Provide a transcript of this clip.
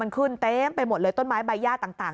ขึ้นเต็มไปหมดเลยต้นไม้ใบย่าต่าง